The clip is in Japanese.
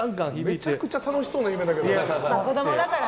めちゃくちゃ楽しそうな夢だけどな。